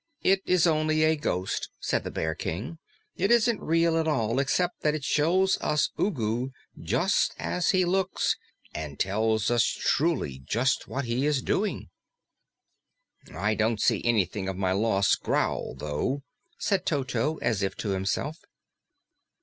"It is only a ghost," said the Bear King. "It isn't real at all except that it shows us Ugu just as he looks and tells us truly just what he is doing." "I don't see anything of my lost growl, though," said Toto as if to himself.